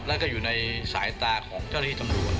บอกว่าอยู่ในสายตาของเจ้าลี่จำลวดแม่น